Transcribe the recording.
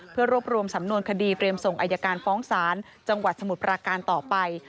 เพื่อรวบรวมสำนวนคดีเตรียมส่งอายการฟ้องศาลจังหวัดสมุทรปราการต่อไป